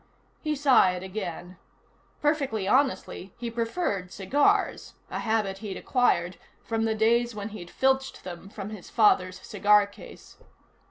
He sighed again. Perfectly honestly, he preferred cigars, a habit he'd acquired from the days when he'd filched them from his father's cigar case.